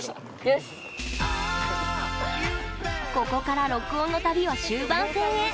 ここから録音の旅は終盤戦へ。